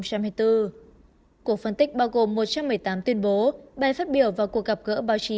cuộc phân tích bao gồm một trăm một mươi tám tuyên bố bài phát biểu và cuộc gặp gỡ báo chí